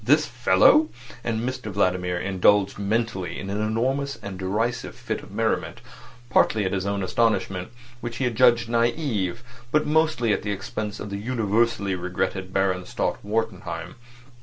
This fellow! And Mr Vladimir indulged mentally in an enormous and derisive fit of merriment, partly at his own astonishment, which he judged naive, but mostly at the expense of the universally regretted Baron Stott Wartenheim.